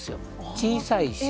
小さい衆。